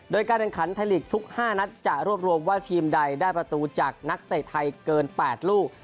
โดยการแข่งขันไทยลีกทุก๕นัดจะรวบรวมว่าทีมใดได้ประตูจากนักเตะไทยเกิน๘ลูก